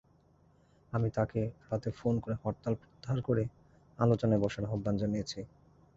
আমি তাঁকে রাতে ফোন করে হরতাল প্রত্যাহার করে আলোচনায় বসার আহ্বান জানিয়েছি।